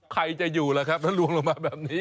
ใครจะอยู่ล่ะครับแล้วลวงลงมาแบบนี้